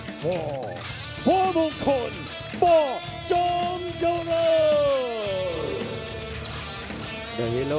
พบกับฟอร์มงคุณฟอร์จอมโจโน่